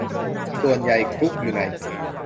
ส่วนใหญ่คลุกอยู่ใน